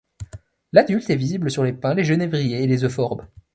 L'adulte est visible sur les Pins, les Genévriers et les Euphorbes.